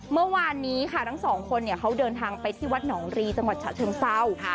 เมื่อวานนี้ค่ะทั้งสองคนเขาเดินทางไปที่วัดหนองรีจังหวัดฉะเชิงเศร้า